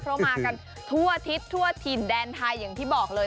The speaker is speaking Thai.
เพราะมากันทั่วอาทิตย์ทั่วถิ่นแดนไทยอย่างที่บอกเลย